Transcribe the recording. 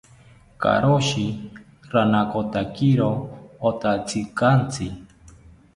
Karoshi ranakotakiro otatzinkantzi